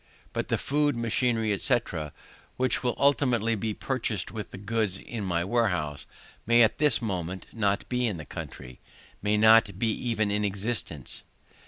But the food, machinery, &c, which will ultimately be purchased with the goods in my warehouse, may at this moment not be in the country, may not be even in existence.